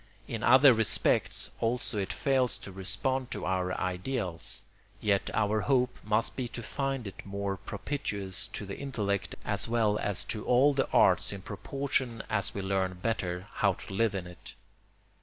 In other respects also it fails to respond to our ideals; yet our hope must be to find it more propitious to the intellect as well as to all the arts in proportion as we learn better how to live in it.